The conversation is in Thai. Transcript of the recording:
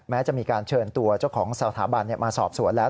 แม้จะมีการเชิญตัวเจ้าของสถาบันมาสอบสวนแล้ว